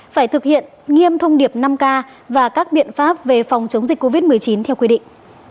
phải thực hiện nghiêm thông điệp năm k và các biện pháp về phòng chống dịch covid một mươi chín theo quy định